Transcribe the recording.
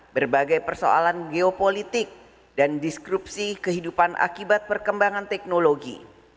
berbagai persoalan geopolitik dan diskripsi kehidupan akibat perkembangan teknologi